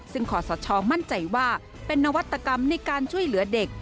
ซึ่งขอสชมั่นใจว่าเป็นนวัตกรรมในการช่วยเหลือเด็ก